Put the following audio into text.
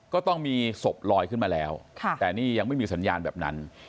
ก็ต้องมีศพลอยขึ้นมาแล้วแต่นี่ยังไม่มีสัญญาณแบบนั้น